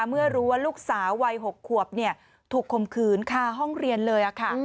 เมื่อรู้ว่าลูกสาวัยหกขวบเนี่ยถูกคมคืนค่าห้องเรียนเลยอะค่ะ